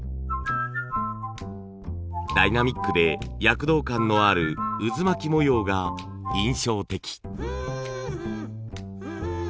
ダイナミックで躍動感のある渦巻き模様が印象的。